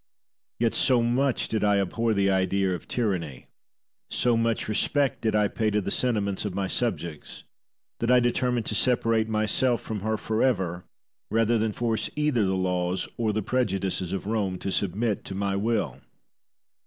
Yet so much did I abhor the idea of tyranny, so much respect did I pay to the sentiments of my subjects, that I determined to separate myself from her for ever, rather than force either the laws or the prejudices of Rome to submit to my will.